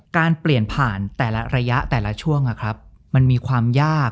การเปลี่ยนผ่านแต่ละระยะแต่ละช่วงมันมีความยาก